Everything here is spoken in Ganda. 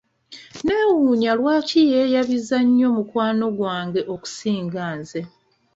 Neewuunya lwaki yeeyabiza nnyo mukwano gwange okusinga nze.